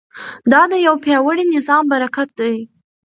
دا د یو پیاوړي نظام برکت دی.